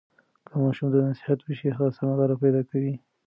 که ماشوم ته نصیحت وشي، هغه سمه لاره پیدا کوي.